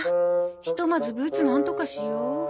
ひとまずブーツなんとかしよう。